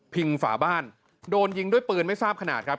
งฝาบ้านโดนยิงด้วยปืนไม่ทราบขนาดครับ